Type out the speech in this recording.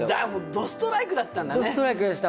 ドストライクだったんだね